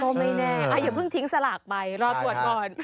ไม่แน่อย่าเพิ่งทิ้งสลากไปรอตรวจก่อน